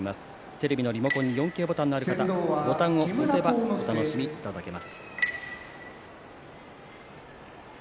テレビのリモコンに４Ｋボタンがある方、ボタンを押せばお楽しみいただけます。